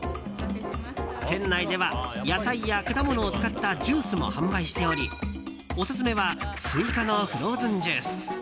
店内では野菜や果物を使ったジュースも販売しておりオススメはスイカのフローズンジュース。